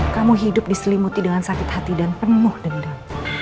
kamu hidup diselimuti dengan sakit hati dan penuh dendam